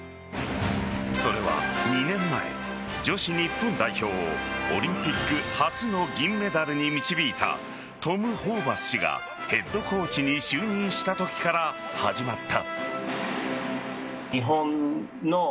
それは、２年前女子日本代表をオリンピック初の銀メダルに導いたトム・ホーバス氏がヘッドコーチに就任したときから始まった。